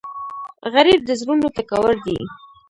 غریب د زړونو ټکور دی